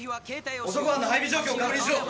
捕捉班の配備状況を確認しろ！